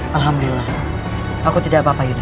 alhamdulillah aku tidak apa apa gitu